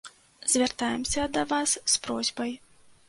Звяртаемся да вас з просьбай.